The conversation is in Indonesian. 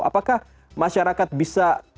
apakah masyarakat bisa